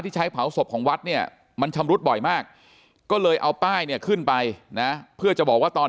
ใช้เผาศพของวัดเนี่ยมันชำรุดบ่อยมากก็เลยเอาป้ายเนี่ยขึ้นไปนะเพื่อจะบอกว่าตอน